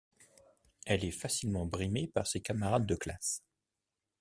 Elle est facilement brimée par ses camarades de classe.